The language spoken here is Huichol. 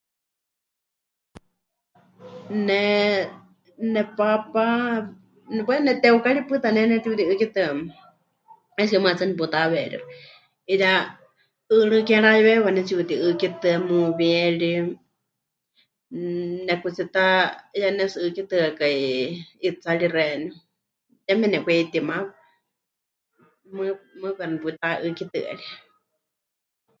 Ne nepaapa, bueno neteukari pɨta ne pɨnetiuti'ɨ́kitɨa, es que mɨɨkɨ hetsɨa neputaweeríxɨ, 'iyá 'ɨɨrɨ́ ke mɨrayuweewiwa pɨnetsi'uti'ɨ́kitɨa, muuwieri, nekutsi ta 'iyá pɨnetsi'ɨ́kitɨakai 'itsari xeeníu, yeme nekwaitima, mɨ... mɨɨkɨ neputa'ɨ́kitɨarie.